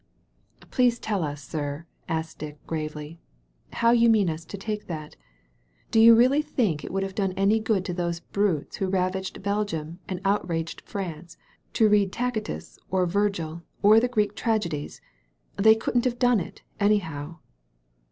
Please tell us, sir," asked Dick gravely, "how you mean us to take that. Do you really think it would have done any good to those brutes who ravaged Belgium and outraged France to read Tacitus or Virgil or the Greek tragedies? They couldn't have done it, anyhow."